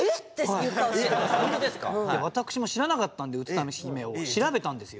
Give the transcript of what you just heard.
私も知らなかったんでうつ田姫を調べたんですよ。